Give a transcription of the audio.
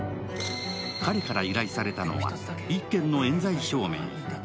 彼から依頼されたのは１件のえん罪証明。